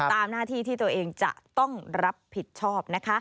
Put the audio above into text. ตามหน้าที่ที่ตัวเองจะต้องรับผิดชอบนะคะ